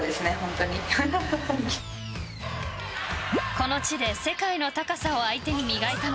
［この地で世界の高さを相手に］